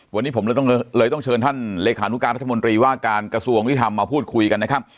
วันนี้ผมเลยต้องเชิญท่านเลขานุการรัฐมนตรีว่าการกระทรวงยุทธรรมมาพูดคุยกันนะครับ